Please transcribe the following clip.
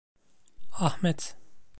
Ahmet